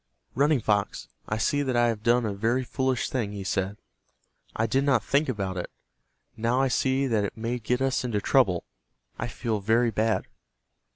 "Running Fox, I see that I have done a very foolish thing," he said. "I did not think about it. Now I see that it may get us into trouble. I feel very bad."